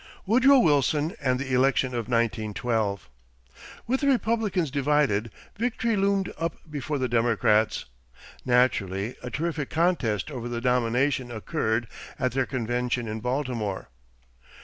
=Woodrow Wilson and the Election of 1912.= With the Republicans divided, victory loomed up before the Democrats. Naturally, a terrific contest over the nomination occurred at their convention in Baltimore.